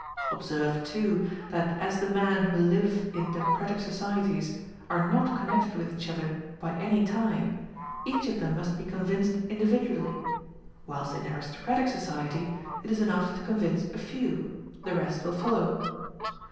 Observe, too, that as the men who live in democratic societies are not connected with each other by any tie, each of them must be convinced individually; whilst in aristocratic society it is enough to convince a few the rest follow.